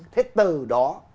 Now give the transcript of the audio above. thế từ đó